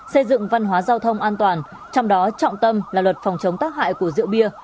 xây dựng văn hóa giao thông an toàn trong đó trọng tâm là luật phòng chống tác hại của rượu bia